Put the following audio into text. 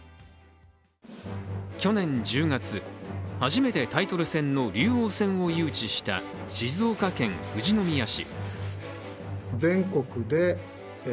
去年１０月、初めてタイトル戦の竜王戦を誘致した静岡県富士宮市。